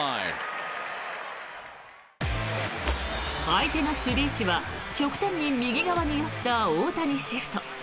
相手の守備位置は極端に右側に寄った大谷シフト。